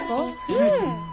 うん。